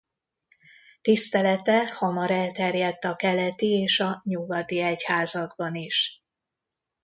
Tisztelete hamar elterjedt a keleti és a nyugati egyházakban is.